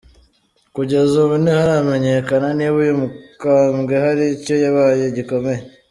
Kugeza ubu ntiharamenyekana niba uyu mukambwe hari icyo yabaye gikomeye.